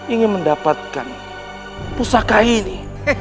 ingin mendapatkan pusaka ini